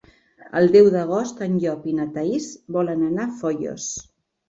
El deu d'agost en Llop i na Thaís volen anar a Foios.